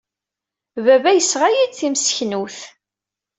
Baba yesɣa-iyi-d timseknewt.